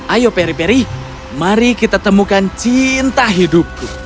ayo peri peri mari kita temukan cinta hidupku